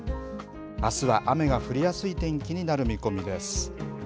あすは雨が降りやすい天気になる見込みです。